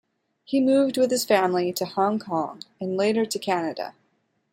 He moved with his family to Hong Kong and later to Canada.